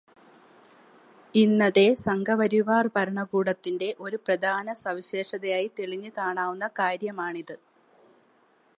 ഇന്നതെ സംഘപരിവാർ ഭരണകൂടത്തിന്റെ ഒരു പ്രധാനസവിശേഷതയായി തെളിഞ്ഞു കാണാവുന്ന കാര്യമാണിത്.